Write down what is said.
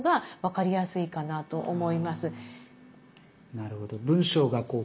なるほど。